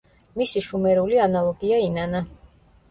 მისი შუმერული ანალოგია ინანა.